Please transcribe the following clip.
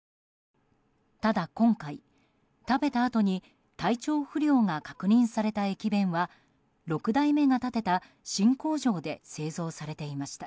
ただ今回、食べたあとに体調不良が確認された駅弁は６代目が建てた新工場で製造されていました。